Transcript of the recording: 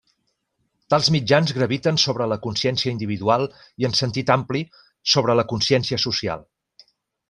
Tals mitjans graviten sobre la consciència individual i en sentit ampli, sobre la consciència social.